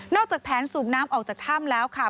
จากแผนสูบน้ำออกจากถ้ำแล้วค่ะ